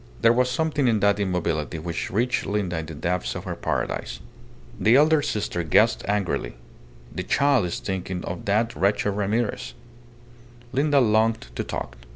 There was something in that immobility which reached Linda in the depths of her paradise. The elder sister guessed angrily: the child is thinking of that wretched Ramirez. Linda longed to talk.